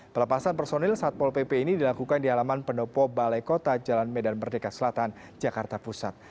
pelepasan personil satpol pp ini dilakukan di halaman pendopo balai kota jalan medan merdeka selatan jakarta pusat